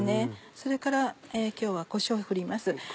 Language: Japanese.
それから今日はこしょうを振ります。